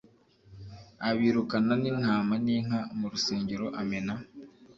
abirukana n intama n inka mu rusengero amena